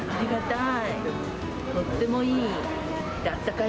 とってもいい。